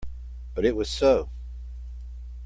But it was so.